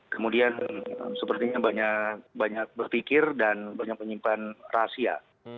kemudian sepertinya banyak berpikir dan banyak menyimpan rahasia